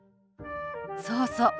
そうそう。